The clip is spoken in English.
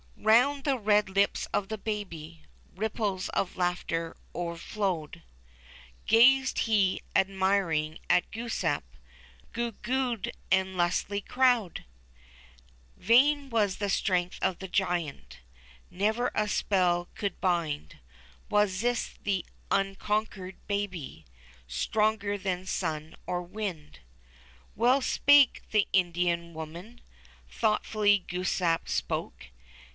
Round the red lips of the Baby Ripples of laughter o'erflowed ; WASIS THE CONQUEROR. 3^5 Gazed he^ admiring, at Glooskap, (xoo ^oo ed, and lustily crowed ! Vain was the strength of the giant; Never a spell could bind Wasis, the unconquered Baby, Stronger than sun or wind. ^^Well spake the Indian woman,'' Thoughtfully Glooskap spoke.